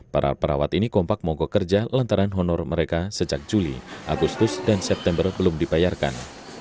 para perawat ini kompak mogok kerja lantaran honor mereka sejak juli agustus dan september belum dibayarkan